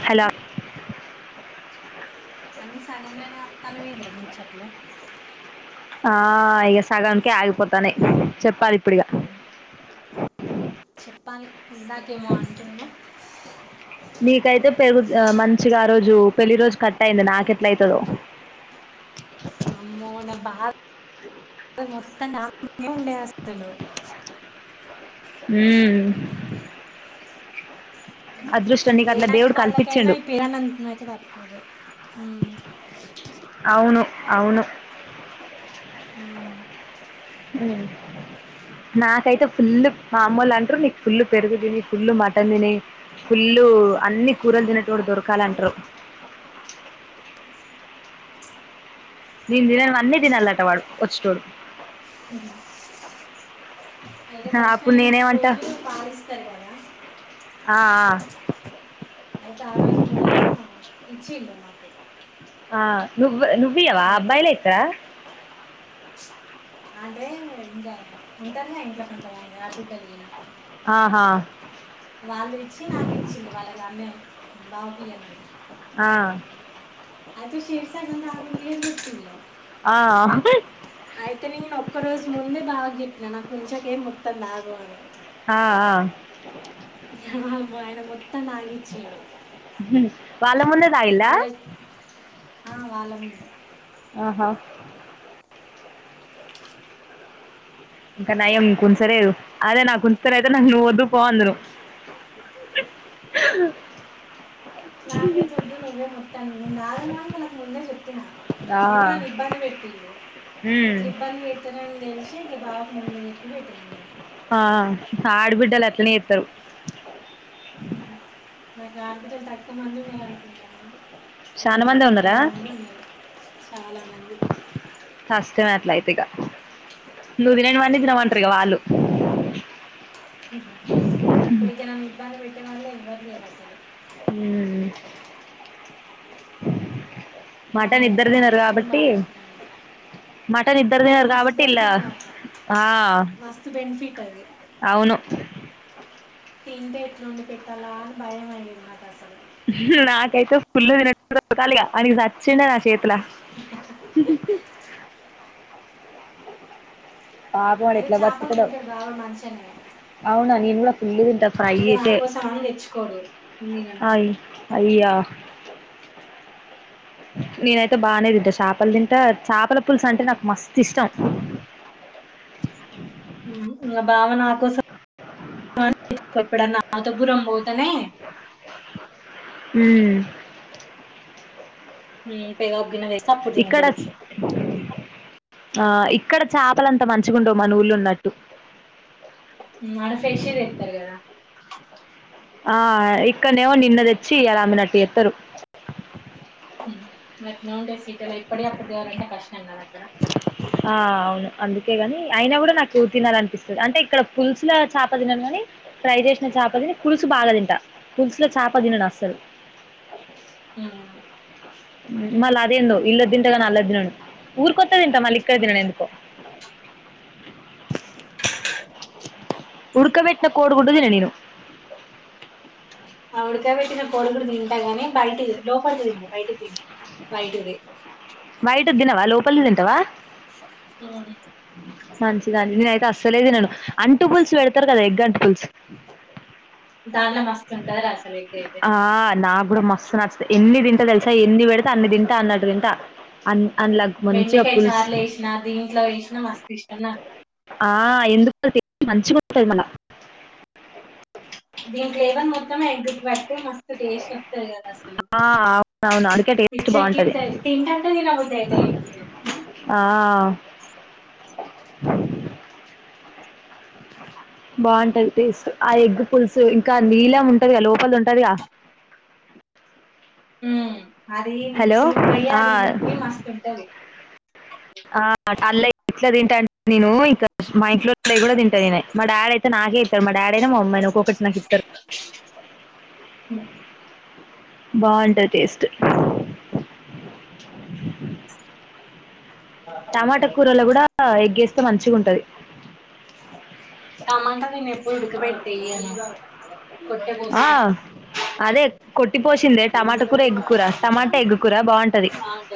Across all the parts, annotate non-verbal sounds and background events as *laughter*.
hello అన్ని సగంలోనే అప్తాన్నవేంద్రముచ్చట్లు ఆ ఇగ సగంకే ఆగిపోతాన్నయ్ చెప్పాలి ఇప్పుడిగ చెప్పాలి ఇందాకేమో అంటున్నావ్ నీకైతే పెరుగ్ మంచిగా ఆ రోజు పెళ్లి రోజు కట్ అయింది నాకెట్ల అయితదో అమ్మోన బాధ మొత్తం నా మీదనే ఉండే అసలు ఉమ్ ఏ అట్లా నష్ట్ దేవుడు వాళ్ళకైనా కల్పించిండు ఈ పిరంనం అయితే తప్పదు ఉమ్ అవును అవును ఉమ్ ఉమ్ నాకైతే ఫుల్ మా అమ్మోల్లు అంటరు నీకు ఫుల్ పెరుగు దిని ఫుల్లు మటన్ తిని ఫుల్లు అన్ని కూరలు తినేటొడు దొరకాల్అంటరు నేన్ తిననివి అన్ని తినాలట వాడు వచ్చేటొడు ఉ అయితే ఆ, ఫస్ట్ అప్పుడు నైట్ నేనేమంటా రోజు పాలు ఇస్తర్ గద ఆ ఆ అయితే ఆ రోజు కూడా ఇచ్చిండు మాకు ఆ నువ్ నువ్ ఇయవ అయితే అబ్బాయిలె ఇత్తర అంటే ఇంక ఉంటర్ గ ఇంట్ల కొంత మంది ఆడ్బిడ్డల్ గిన ఆహా వాళ్లు తెచ్చి నాకి ఇచ్చల్లు వాళ్ళగానే బావ కియ్యమని ఆ అయితే శేరిశగం తాగుల్లి అనిచెప్పిల్లు ఆ అయితే నేన్ ఒక్క రోజు ముందే బావకి చెప్పిన నాకు ఉంచకే మొత్తం తాగు అని ఆ అ ఇగ మా ఆయన మొత్ వాళ్ళ ముందే తాగిల్ల వాళ్ళ ఆ వాళ్ళముందే ఆహా ఇంక నయం కుచ్చలేదు అదే నాకు కూచుతనయితే నేన్ నొ ఒద్దుపొ అందును నాకుఐతే ఒద్దు నువ్వే మొత్తం నేన్ తాగను అని వాళ్ళ కు ముందేజెప్పిన ఆ అయిన నన్ను ఇబ్బంది పెటింళ్లు ఉమ్ ఇట్ల ఇబ్బంది పెడ్తరు అనితెల్షి షె ఇగ బావకి ముందే చేప్పి పెట్టిన నేను ఆ ఆడిబిడ్డలు అట్లనే ఏత్తరు నాకు అడిబిడ్డలు త తక్కువమంది ఉన్నరుఅనుకుంటనవ చానా పుల్లా మందే ఉన్నారా ఫుల్ మంది ఉన్నరు చాల మంది నువ్ తిననివి అన్ని తినమంటరు ఇగ వాళ్ళు ఉహుం ఇప్పుడు ఇగ నన్ను ఇబ్బంది పెట్టే వాళ్లే ఏవ్వర్ లేర్ అసలు ఉమ్ నా మటన్ లైఫ్ ఇద్దరు నా తినరు ఇష్టం కాబట్టి బాగా ఇష్టం కాదు మటన్ ఇద్దర్ అది తినర్ మస్తు కాబట్టిఇళ్ల బెనిఫిట్ నాకు ఆ మస్తు బెనిఫిట్ అది అవును తింటే ఎట్ల ఒండి పెట్టాలా అని భయం అయ్యది నాక్ అసలు నాకైతే ఫుల్లు తినేటోడు దొరకాలి ఇగ వానికి సచ్చిండ నా షేతు త్ల పాపం వాడు ఆయ్న చాపలు తింటడు బావ మంచిగనే అవున నేన్ గుడ ఫుల్ తింట ఫ్రై నా చేసే కోసం అని తెచ్చుకోడు ఉంది కదా అయ్ అయ్యా నేనైతే బానే తింట చాపలు తింట చాపల పులుసు అంటే నాక్ మస్త్ ఇష్టం *inaudible* ఉ ఇగ బావ నా కొసం ఎప్పుడన్నా అతపురం పోతానే ఉమ్ ఉమ్ పెవప్ గిన్న ఇక్కడ చి ఆ ఇ ఇక్కడ చాపలంత మంచిగ ఉండవ్ మన ఊళ్ల ఉన్నట్టు ఉమ్, ఆడ ఫ్రెష్ తెస్తారు కదా ఆ ఇక్కనేమో నిన్న తెచ్చి ఇయాల అమ్మినట్టు చేత్తరు ఉ గట్లనే ఉన్టయ్ సిటీ లా ఏపడియ్ అప్పుడు తెలవాలంటే కష్టంగా అక్కడ అందుకేగని అయిన గుడ నాక్ తినాలనిపిసస్తది అంటే ఇక్కడ పుల్సుల చాప తినను కానీ ఫ్రై చేసిన చాపని పులుసు బాగా తింట పులుసులొ చాప తినను అసలు ఉమ్ మళ్ళ అదేందో ఇళ్ళద్ తింటాగా అల్లద్ దినను ఊర్ కొత్తే తింటా మళ్ళ ఇక్కడ దినను ఎందుకో బ్లాంక్ ఉడుక పెట్న కోడిగుడ్డు తిన నేను ఆ ఉడకా పెట్టిన కోడిగుడ్డు తింట గాని బయటిది లోపడిది తిన బయటిదింట తింటా బైటిది వైటుదినవా లోపలిది తింటవా ఉమ్మ్ మంచిదానివి నేనయితే అస్సలే తినను అంటు పులుసు పెడతరు కదా ఎగ్ అంటు పులుసు దాంలో మస్తుంటంది రా అసలు ఎగ్ ఐతే ఇప్పుడు మస్తు నచ్చుతయి ఎన్ని తింటా తెలుసా ఎన్ని పెడితే అన్ని తింటా అన్నట్టు తింటా అన్ని బెండకాయ చార్లో వేసినా దీంట్లో వేసినా మస్తు ఇష్టం నాకు ఆ ఎందుకో టేస్టు మంచిగ ఉంటది మల్ల దీని ఫ్లవర్ మొత్తం ఎగ్గు కి పట్టి మస్తు టేస్ట్ వస్తది కదా అసలు ఆ అవునవును ఆసలు అందుకే టేస్ట్ బాగుంటుంది పిచ్చేకిత్తది తింటంటే తినబుద్ది అయితది ఆ బ్లాంక్ బాగుంటది టేస్ట్ ఆ ఎగ్ పులుసు ఇంకా నీలం ఉంటది గా లోపలిది ఉంటది గా బ్లాంక్ ఉ అది సూప్ పోయ్య ఆ అది ఇంకొకటి మస్తు ఉంటది ఆ అల్ల ఇట్లా తింటాంటే నేను ఇక మా ఇంట్లోల్లాయి కూడా తింటాను నేనే మా డాడ అయితే నా నాకే ఇస్తారు మా డాడీ అయినా మా అమమ్మీయినా ఒక్కొక్కటి నాకు ఇస్తరు హుమ్ బాగుంటది టేస్టు టమాట కూరల కూడా ఎగ్గేస్తే మంచిగుంటది తమాట నేను ఎప్పుడు ఉడుకబెట్టెయ్యను ఆ అదే దె టమాట కూర ఎగ్గు కూర టమాటా ఎగ్గు కూర బాగు బ్లాంక్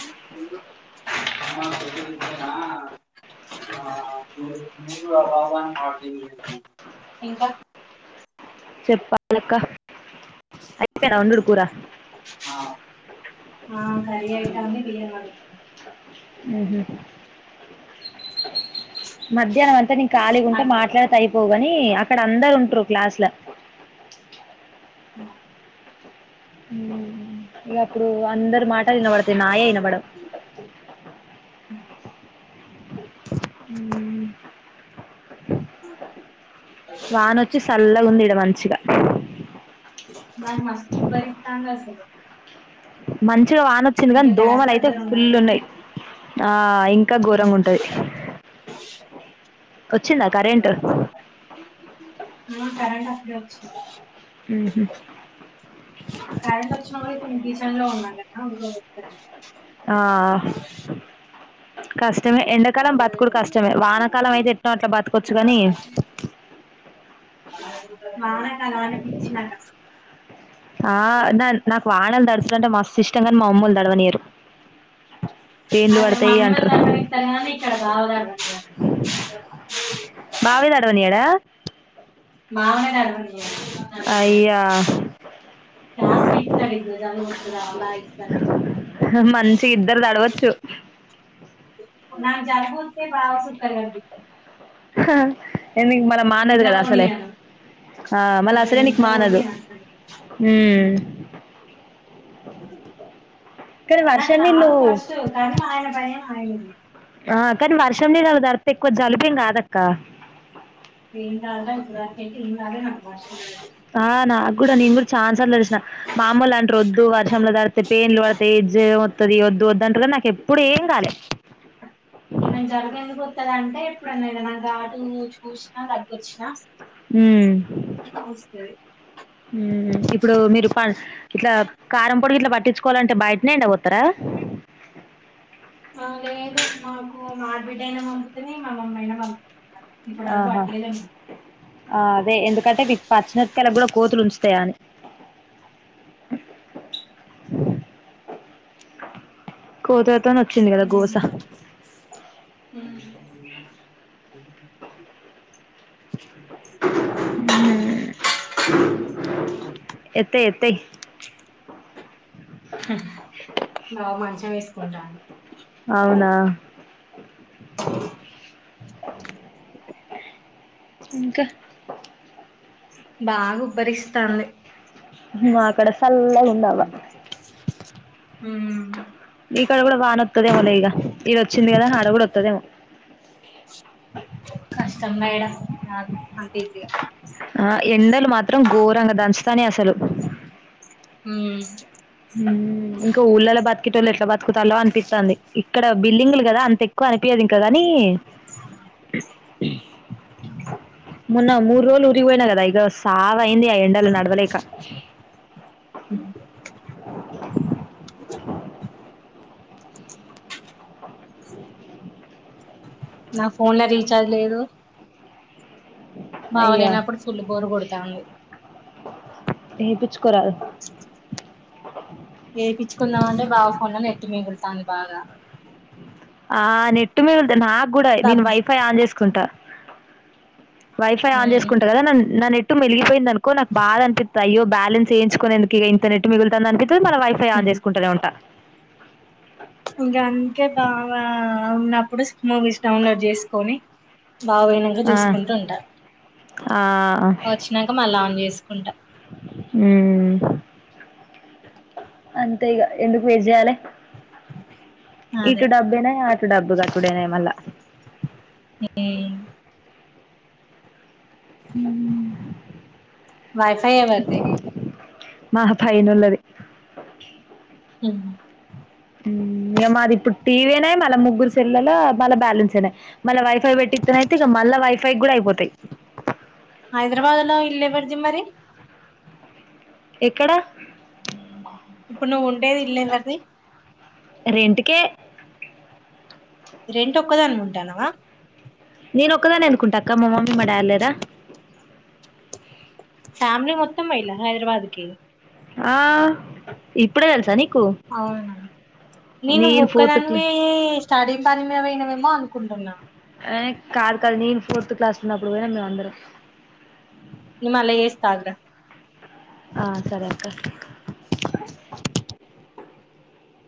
*inaudible* బ్లాంక్ ఇంకా చెప్పాలి ఇంకా ఆ కరీఅయితాంది వేరే వాళ్ళు ఉహు మధ్యాహ్నం అంతా నేను ఖాళీగ ఉంట మాట్లాడితె అయిపోవుగాని అక్కడ అందరు ఉంట్రూ క్లాస్ల బ్లాంక్ ఉమ్ ఇగప్పుడు అందరు మాటలు ఇనపడతయి నాయే ఇనబడవు బ్లాంక్ వానొచ్చి సల్లగుంది ఇడ మంచిగ నాకు మస్తుఉబ్బరిత్తాంది అసలు మంచిగా వానొచ్చింది కానీ ఇంకా గ్యాస్ దోమలు అయితే దగ్గర ఉన్నా ఫుల్ కదా ఉన్నాయి ఆ ఇంకా ఘోరంగుంటది వచ్చిందా కరెంటు ఇప్పుడే వచ్చింది కరెంట్ వచ్చిన కూడ కిచెన్ లో ఉన్న నేను ఆవ గుడ వస్తది ఆ కష్ ష్టమే ఎండకాలం బతుకుడు కష్టమే వానకాలం అయితే ఎట్నో అట్లా బతకొచ్చు గని వాన కాలం అంటే పిచ్చి నాకు అసలు ఆ నాకు వానలు దడుచడంటే మస్త్ ఇష్టం కానీ మా అమ్మూలు దడవనీరు అక్కడ మమ్మీ వల్లు దడవనిత్తర్ గాని ఇక్కడ బాగా దడవయ్యర్ బావాయే దడవనియడా మావ దడవనియడు అయ్యా క్లాస్ విక్తాడు ఇగ జాలుబోత్తది అ మంచి ఇద్దరు తడవచ్చు నా జాలూబోత్తే బావ కి సుక్కలు కనిపిస్తాయి హ ఎందుకు నీ మళ్ళా మానదు నిద్ర కదా అసలే పోనీయను ఆ మళ్ళ అదే అసరే నికు నిద్ర మానదు పోనీయను అసలు మ్మ్ కానీ నాకు వర్షం రాదు నీళ్ళు ఫస్ట్ కానీ మ ఆయన భయం ఆయనది ఆ కానీ వర్షం నీలాల తడితే ఎక్కువ జలుబెమ్ కాదక్క ఏం కదరా ఇప్పటిదాకా అయితే ఏం కాలే నాకు వర్ష ఆ నాకు కూడా నేను కూడా ఛాన్సార్లు తడిచినా మామ్మోలు అంటారు వద్దు వర్షంలో దడితే పెన్లు పడతాయ్ రం వత్తది వద్దు వద్దంటరు నాకు ఎప్పుడు ఏం కాలే నేక్ జలుబు ఎందుకు వత్తదంటే ఇప్పుడన ఏదన్నా ఘాటు చూసినా వచ్చిన ఉమ్ జలభోత్సది ఉమ్ ఇప్పుడు మీరు ఇట్లా కారంపొడి గిట్లా పట్టించుకోవాలంటే బయటనే ఎండ పొత్తర ఆ లేదు మాకు మా ఆడ బిడ్డ అయినా పంపుతుంది మా మమ్మయినా పంపుతది ఇప్పటి వరకు ఆహా పట్టియలే ఆ అదే ఎందుకంటే పచ్చన్ కలా గుడా కోతులు ఉంచుతాయ అని కోతుల ఉమ్ హు ఉమ్ ఎతే తె బావ మంచం వేసుకుంటాండు అవునా ఇంకా బాగు మాక్కడ సల్లగా ఉండదా ఉమ్ ఇక్కడ గుడా వానోత్త దేమో లె ఈగ ఇడ వచ్చింది గదా హడ కూడా వత్తదేమో కష్టంమే ఇడా రాదు అంత ఈజీ కాదు ఆ ఎండలు మాత్రం ఘోరంగా దంచుతాన్నాయి అసలు ఉమ్ ఇంకా ఊళ్ళల బతికేటోళ్ళు వ ఎట్లా బతుకుతాలో అనిపిస్తంది ఇక్కడ బిల్డింగ్లు గదా అంత ఎక్కువ అనిపియాద్ ఇంకా కాని మెన్న మూడు రోజులు ఊరికి పోయినగదా ఈ సా అయింది ఆ ఎండలు నడవలేక నా ఫోన్ లో రీచార్జ్ లేదు బావ అయ్యా లేనప్పుడు ఫుల్ బోర్ కొడతాంది ఏపిచ్చుకోరాదు వేపిచ్చుకుందామంటే బావ ఫోన్లో నెట్టు మిగులుతాంది బాగా ఆ నెట్టు మేగుల్ నాకు కూడా నేను డబ్బు వైఫై ఆన్ చేసుకుంటా వైఫై ఆన్ చేసుకుంటా ఉమ్ గదా నా నెట్టు మెలిగిపోయిందనుకో నాకు బాద అనిపిత్త అయ్యో బ్యాలన్స్ వేయించుకునేందుక్ కిగ ఇంత నెట్ మిగులుతాంది అనిపిత్తది మలి వైఫై ఆన్ చేసుకుంటనే ఉంట ఇంకా అంతే బావ ఉన్నప్పుడు మూవీస్ డౌన్లోడ్ చేసుకొని బావా పోయినాక ఆ చూసుకుంట ఉంట ఆ చేసుకుంటా ఉమ్మ్ అంతే ఇగ ఎందుకు వేస్ట్ చెయ్యాలె అదే ఇటు డబైనా డబ్బుగట్టుడేనాయే మల్ల ఉమ్ హుహు వైఫై ఎవరిది మా పైన్నోళ్లది ఉ హు ఇగ మాది ఇప్పుడు టీవీ నే మల్ల ముగ్గురుసెల్లల్ల మళ్ళ బ్యాలెన్స్ అయినయ్ మళ్ళ వైఫై వెట్టిత్తెనై ఇగ మళ్ళా వైఫై గూడా అయిపోతాయి హైదరాబాద్ లో ఇళ్ళేవర్ది మరి ఎక్కడ ఇళ్లెవర్ది రెంట్కే రెంట్ ఒక్కదే అనుకుంటన్నావా నేను ఒక్కదానెందుకుంటక్కా మా మమ్మీ మా డాడ్ లేరా ఫ్యామిలీ మొత్తం పోయిలా హైదరాబాద్కి ఆ ఇప్పుడే తెలుసాని అవున నేను ను ఫోర్త్ క్లా ఒక్కదాన్వే స్టడీ పని మీద వోయినవేమో అనుకుంటున్నా ఏ కాదు కాదు నేను ఫోర్త్ క్లాస్ల ఉన్నప్పుడు పోయినం మేమందరు నేన్ మల్ల చేస్తాగురా ఆ సరే అక్క